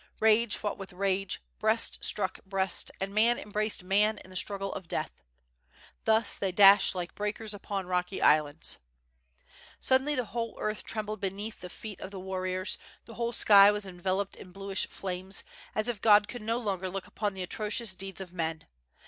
Rage fought with rage, breast struck breast, and man embraced man in the struggle of death. Thus they dashed like breakers upon rocky islands. Suddenly the earth trembled beneath the feet of the war riors, the whole sky was enveloped in bluish flames, as if Qod could no longer look upon the atrocious deeds of men.